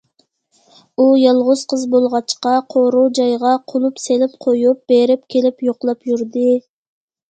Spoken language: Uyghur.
ئۇ يالغۇز قىز بولغاچقا، قورۇ- جايغا قۇلۇپ سېلىپ قويۇپ بېرىپ كېلىپ يوقلاپ يۈردى.